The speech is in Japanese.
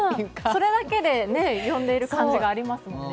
それだけで呼んでる感じがありますもんね。